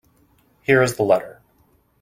Here is the letter.